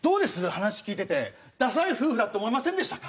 話聞いててダサい夫婦だって思いませんでしたか？